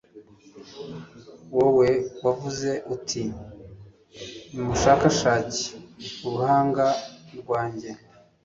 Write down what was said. wowe wavuze uti nimushakashake uruhanga rwanjye